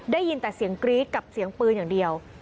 ได้ยินแต่เสียงกรี๊ดกับเสียงปืนอย่างเดียว